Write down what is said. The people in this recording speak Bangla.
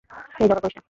হেই, ঝগড়া করিস না।